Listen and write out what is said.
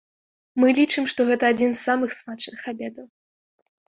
Мы лічым, што гэта адзін з самых смачных абедаў.